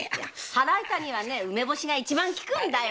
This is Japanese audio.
腹痛には梅干しが一番効くんだよ。